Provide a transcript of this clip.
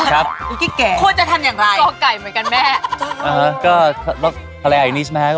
แล้วภรรยายังไงนะใช่ไหมฮะ